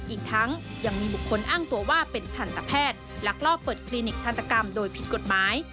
อีกทั้งยังมีบุคคลอ้างตัวว่าเป็นทันตแพทย์ลักลอบเปิดคลินิกทันตกรรมโดยผิดกฎหมาย